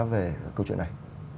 về câu chuyện này